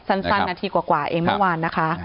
สั้นนาทีกว่าเองเมื่อวานนะคะ